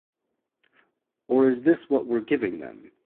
Or is this what we're giving them?